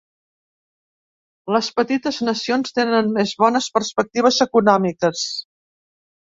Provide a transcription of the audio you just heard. Les petites nacions tenen més bones perspectives econòmiques.